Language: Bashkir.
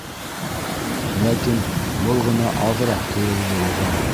Ләкин был ғына аҙыраҡ тойолдо уға.